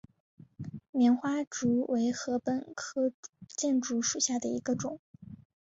棉花竹为禾本科箭竹属下的一个种。